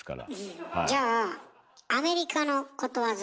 じゃあアメリカのことわざ？